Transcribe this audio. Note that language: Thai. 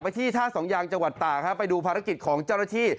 ที่ท่าสองยางจังหวัดตากครับไปดูภารกิจของเจ้าหน้าที่